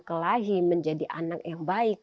suka berkelahi menjadi anak yang baik